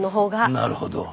なるほど。